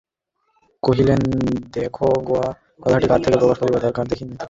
কহিলেন, দেখো গোরা, কথাটা কারো কাছে প্রকাশ করবার তো দরকার দেখি নে।